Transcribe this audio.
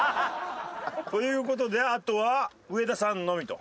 という事であとは上田さんのみと。